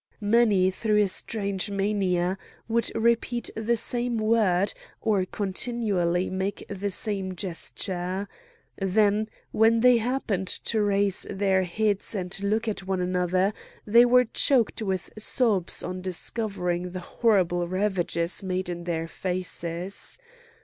Many through a strange mania would repeat the same word or continually make the same gesture. Then when they happened to raise their heads and look at one another they were choked with sobs on discovering the horrible ravages made in their faces.